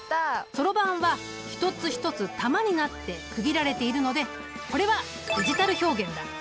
そろばんは一つ一つ珠になって区切られているのでこれはデジタル表現だ。